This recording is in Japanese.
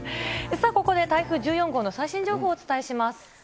さあここで、台風１４号の最新情報をお伝えします。